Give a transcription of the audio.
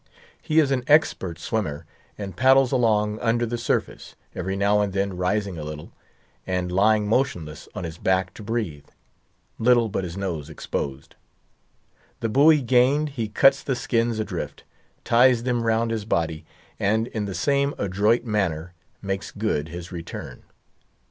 He is an expert swimmer, and paddles along under the surface, every now and then rising a little, and lying motionless on his back to breathe—little but his nose exposed. The buoy gained, he cuts the skins adrift, ties them round his body, and in the same adroit manner makes good his return.